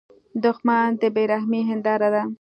دښمن د بې رحمۍ هینداره ده